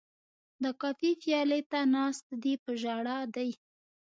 د کافي پیالې ته ناست دی په ژړا دی